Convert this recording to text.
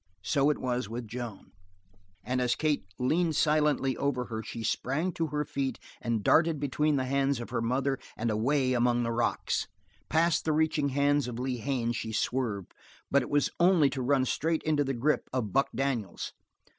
So it was with Joan, and as Kate leaned silently over her she sprang to her feet and darted between the hands of her mother and away among the rocks. Past the reaching hands of Lee Haines she swerved, but it was only to run straight into the grip of Buck Daniels.